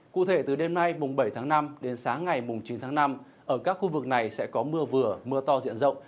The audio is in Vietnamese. cụ thể từ đêm nay bảy tháng năm đến sáng ngày chín tháng năm ở các khu vực này sẽ có mưa vừa mưa to diện rộng